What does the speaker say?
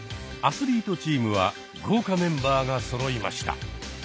アスリートチームは豪華メンバーがそろいました。